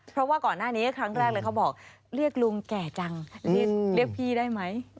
เพราะว่าก่อนหน้านี้ครั้งแรกเลยเขาบอกเรียกลุงแก่จังเรียกพี่ได้ไหม